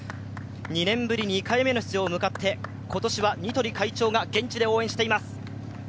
２年ぶり２回目の出場に向かって今年はニトリ会長が現地で応援しています。